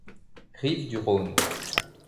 Rives du Rhône.